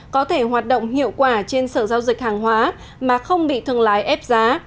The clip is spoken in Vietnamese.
có thể hoạt động hiệu quả trên sở giao dịch hàng hóa mà không bị thương lái ép giá